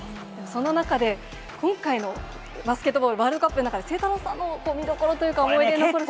そんな中で、今回のバスケットボールワールドカップの中で、晴太郎さんの見どころというか、思い出に残るシーン。